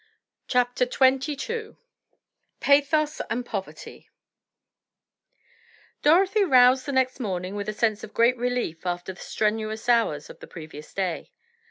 CHAPTER XXIII PATHOS AND POVERTY Dorothy roused the next morning with a sense of great relief after the strenuous hours of the previous day.